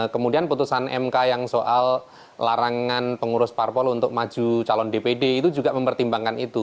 kemudian putusan mk yang soal larangan pengurus parpol untuk maju calon dpd itu juga mempertimbangkan itu